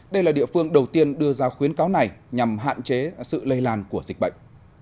đây là địa phương đầu tiên đưa ra khuyến cáo này nhằm hạn chế sự lây lan của dịch bệnh